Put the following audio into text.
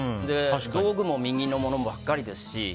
道具も右のものばかりですし。